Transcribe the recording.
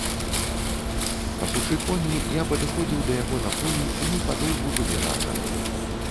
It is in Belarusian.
Пасучы коні, я падыходзіў да яго на полі, і мы падоўгу былі разам.